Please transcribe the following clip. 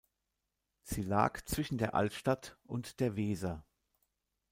Sie lag zwischen der Altstadt und der Weser.